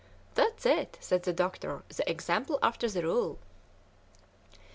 "That's it," said the doctor, "the example after the rule."